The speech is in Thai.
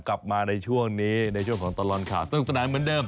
กลับมาในช่วงนี้ในช่วงของตลอดข่าวสนุกสนานเหมือนเดิม